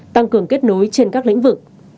tăng cường kết nối trên các lĩnh vực